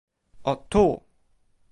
o tu.